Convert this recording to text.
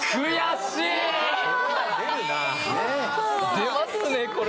出ますねこれ。